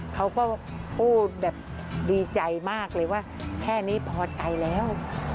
เขาก็พูดแบบดีใจมากเลยว่าแค่นี้พอใจแล้ว